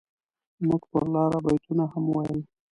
موږ پر لاره بيتونه هم ويل.